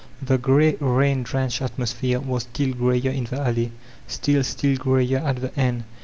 The gray, rain drenched atmosphere was still grayer in the alley, — still, still grayer at the end.